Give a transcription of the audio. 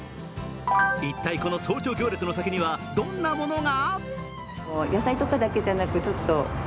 一体、この早朝行列の先にはどんなものが？